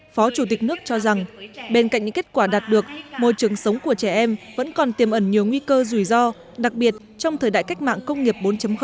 phó chủ tịch nước cho rằng bên cạnh những kết quả đạt được môi trường sống của trẻ em vẫn còn tiềm ẩn nhiều nguy cơ rủi ro đặc biệt trong thời đại cách mạng công nghiệp bốn